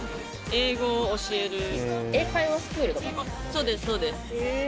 そうですそうです。